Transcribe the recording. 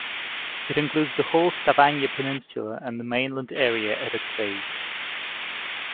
It includes the whole Stavanger Peninsula and the mainland area at its base.